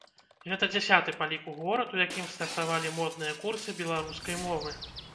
Гэта дзясяты па ліку горад, у якім стартавалі модныя курсы беларускай мовы.